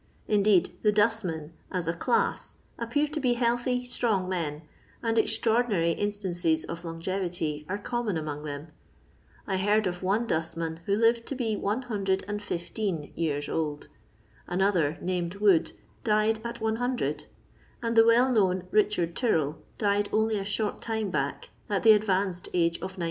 Indeed, the dustmen, as a class, appear to be healthy, strong men, and extraordinary instances of longevity are common among them. I heard of one dustman who^ lived to be 115 years; another, named Wood, died at 100; and the well known Bichard Tyrrell died only a short time back at the advanced age of 97.